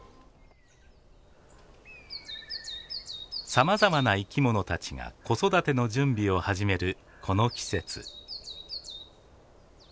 さまざまな生き物たちが子育ての準備を始めるこの季節。